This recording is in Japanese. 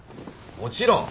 もちろん。